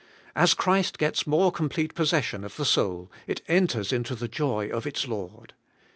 As Christ gets more complete possession of the soul, it enters into the joy of its Lord.